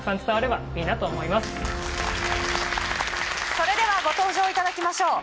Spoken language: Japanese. それではご登場いただきましょう。